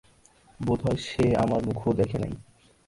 বোধ হয় সে আমার মুখও দেখে নাই।